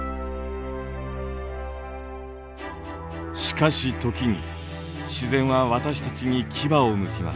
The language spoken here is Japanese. しかし時に自然は私たちに牙をむきます。